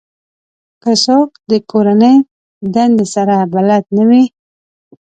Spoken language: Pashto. که څوک د کورنۍ دندې سره بلد نه وي